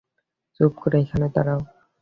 চুপ করে এখানে দাঁড়াও।